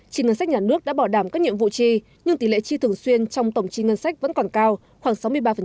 trị ngân sách nhà nước đã bỏ đảm các nhiệm vụ tri nhưng tỷ lệ tri thường xuyên trong tổng trị ngân sách vẫn còn cao khoảng sáu mươi ba